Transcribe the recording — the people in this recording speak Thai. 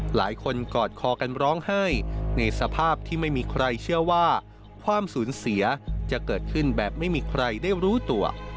กอดคอกันร้องไห้ในสภาพที่ไม่มีใครเชื่อว่าความสูญเสียจะเกิดขึ้นแบบไม่มีใครได้รู้ตัว